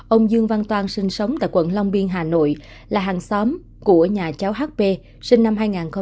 ông dương văn toan sinh sống tại quận long biên hà nội là hàng xóm của nhà cháu hp sinh năm hai nghìn một mươi